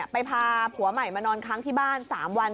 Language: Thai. พาผัวใหม่มานอนค้างที่บ้าน๓วัน